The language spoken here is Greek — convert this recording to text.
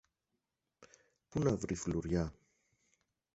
Πού να βρει φλουριά;